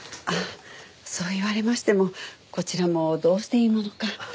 あっそう言われましてもこちらもどうしていいものか。